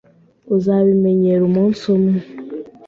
Uzabimenyera umunsi umwe.